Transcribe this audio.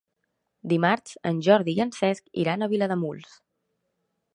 Dimarts en Jordi i en Cesc iran a Vilademuls.